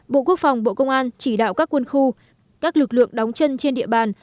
bộ quốc phòng bộ công an chỉ đạo các quân khu các lực lượng đóng chân trên địa bàn